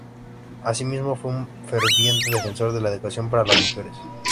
Asimismo, fue una ferviente defensora de la educación para las mujeres.